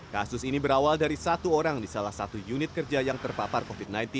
kasus ini berawal dari satu orang di salah satu unit kerja yang terpapar covid sembilan belas